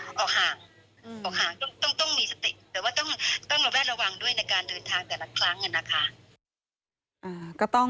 ออกห่างต้องต้องมีสติหรือว่าต้องต้องมาแวะระวังด้วยในการเดินทางแต่ละครั้งเนี้ยนะคะ